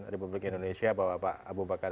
republik indonesia bahwa pak abu bakar